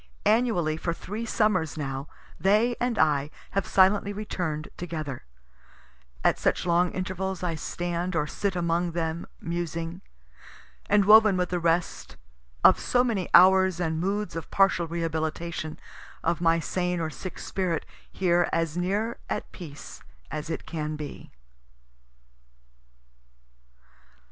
Annually for three summers now, they and I have silently return'd together; at such long intervals I stand or sit among them, musing and woven with the rest, of so many hours and moods of partial rehabilitation of my sane or sick spirit, here as near at peace as it can be.